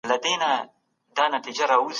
تاسي ولي د خپل دین په اړه داسي نه پوهېږئ؟